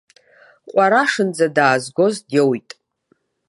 Ҟәарашынӡа даазгоз диоуит.